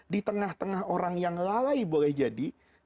di tengah tengah orang yang lalai boleh jadi